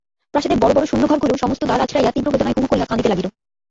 প্রাসাদের বড়ো বড়ো শূন্য ঘরগুলো সমস্ত দ্বার আছড়াইয়া তীব্র বেদনায় হুহু করিয়া কাঁদিতে লাগিল।